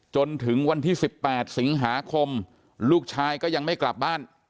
จนถึงวันที่๑๘สิงหาคมลูกชายก็ยังไม่กลับบ้าน